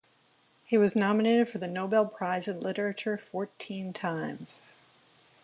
He was nominated for the Nobel Prize in Literature fourteen times.